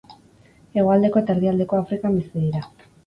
Hegoaldeko eta erdialdeko Afrikan bizi dira.